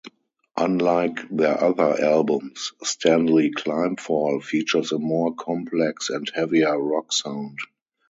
Unlike their other albums, "Stanley Climbfall" features a more complex and heavier rock sound.